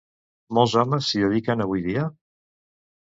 Molts homes s'hi dediquen avui dia?